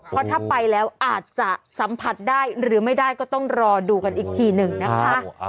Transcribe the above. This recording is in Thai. เพราะถ้าไปแล้วอาจจะสัมผัสได้หรือไม่ได้ก็ต้องรอดูกันอีกทีหนึ่งนะคะ